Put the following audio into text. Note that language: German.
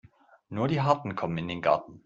Nur die Harten kommen in den Garten.